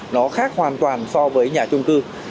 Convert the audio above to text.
nó khác hoàn toàn so với nhà trung cư